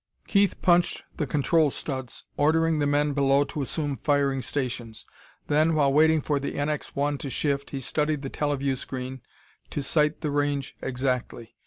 Keith punched the control studs, ordering the men below to assume firing stations. Then, while waiting for the NX 1 to shift, he studied the teleview screen to sight the range exactly.